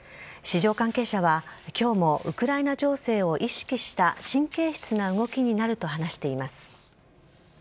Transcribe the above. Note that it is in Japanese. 市場関係者は、きょうもウクライナ情勢を意識した、神経質な動きになると話しています。